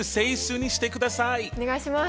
お願いします。